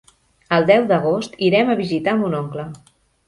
El deu d'agost irem a visitar mon oncle.